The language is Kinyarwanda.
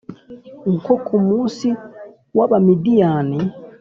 Nko ku munsi w abamidiyani